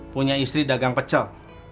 punya istri dagang pecel